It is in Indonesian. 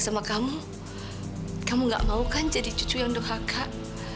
sama kamu kamu gak mau kan jadi cucu yang doha kak